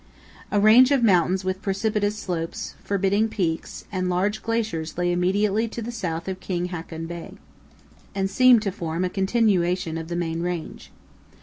A range of mountains with precipitous slopes, forbidding peaks, and large glaciers lay immediately to the south of King Haakon Bay and seemed to form a continuation of the main range.